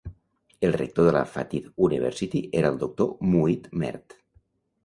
El rector de la Fatih University era el doctor Muhit Mert.